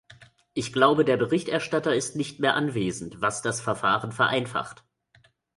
Ich glaube, der Berichterstatter ist nicht mehr anwesend, was das Verfahren vereinfacht.